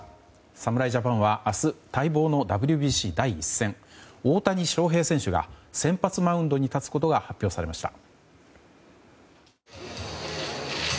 侍ジャパンは明日待望のＷＢＣ第１戦大谷翔平選手が先発マウンドに立つことが発表されました。